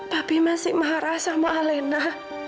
papi masih marah sama alina